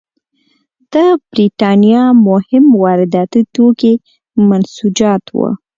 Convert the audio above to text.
د برېټانیا مهم وارداتي توکي منسوجات وو.